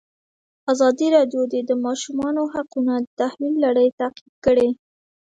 ازادي راډیو د د ماشومانو حقونه د تحول لړۍ تعقیب کړې.